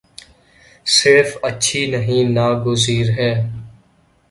صرف اچھی نہیں ناگزیر ہے۔